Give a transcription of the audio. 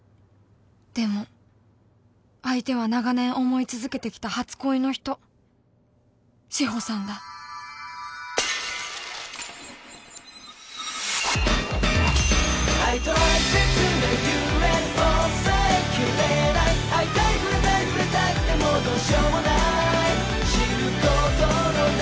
でも相手は長年思い続けてきた初恋の人ピンポーンどうぞ。